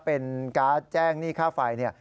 เป็นการ์ดแจ้งหนี้ค่าไฟเนี่ย